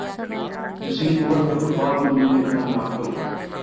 Usain bolt نے football کی دنیا میں قدم رکھ دیا